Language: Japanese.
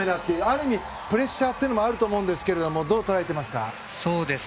ある意味プレッシャーもあると思うんですけれどもどう捉えていますか？